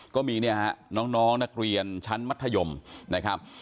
ก็มีเนี่ยฮะน้องนักเรียนชั้นมัธยมนะครับ